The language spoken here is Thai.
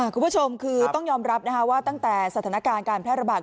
คุณผู้ชมคือต้องยอมรับว่าตั้งแต่สถานการณ์การแพร่ระบาด